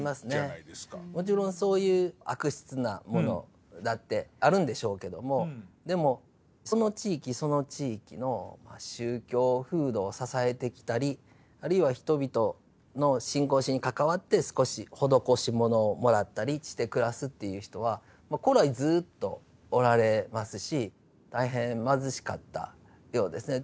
もちろんそういう悪質なものだってあるんでしょうけどもでもその地域その地域の宗教風土を支えてきたりあるいは人々の信仰心に関わって少し施し物をもらったりして暮らすっていう人は古来ずっとおられますし大変貧しかったようですね。